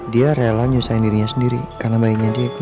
dia rela nyusahin dirinya sendiri karena bayinya dia